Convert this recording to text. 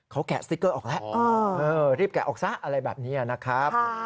เขาแกะสติ๊กเกอร์ออกแล้วรีบแกะออกซะอะไรแบบนี้นะครับ